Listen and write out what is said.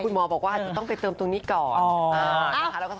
คุณหมอบอกว่าต้องไปเติมตรงนี้ก่อน